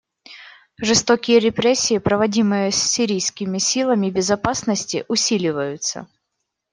Жестокие репрессии, проводимые сирийскими силами безопасности, усиливаются.